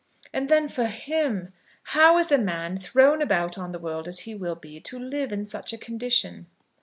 And then for him! How is a man, thrown about on the world as he will be, to live in such a condition."